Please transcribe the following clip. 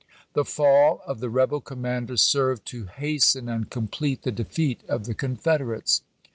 The fall of the rebel commander served to hasten and complete the defeat of the Confederates.